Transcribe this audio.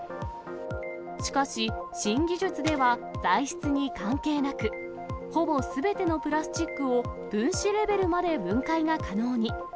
しかし、新技術では材質に関係なく、ほぼすべてのプラスチックを分子レベルまで分解が可能に。